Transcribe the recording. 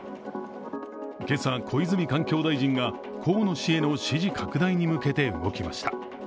今朝、小泉環境大臣が河野氏への支持拡大に向けて動きました。